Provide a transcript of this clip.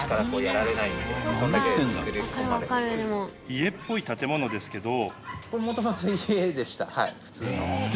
家っぽい建物ですけど。